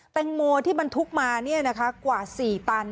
แตงโมที่บรรทุกมาเนี่ยนะคะกว่าสี่ตัน